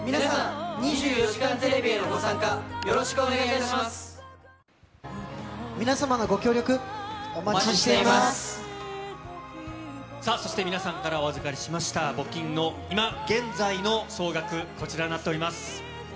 ただ、皆様のご協力、お待ちしていそして皆さんからお預かりしました募金の今現在の総額、こちらになっております。